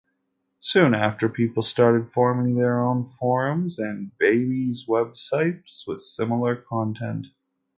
Soon after, people started forming their own forums and babyz websites with similar content.